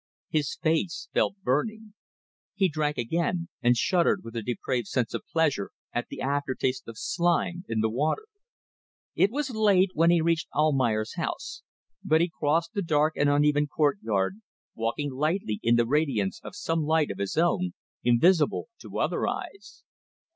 His face felt burning. He drank again, and shuddered with a depraved sense of pleasure at the after taste of slime in the water. It was late when he reached Almayer's house, but he crossed the dark and uneven courtyard, walking lightly in the radiance of some light of his own, invisible to other eyes.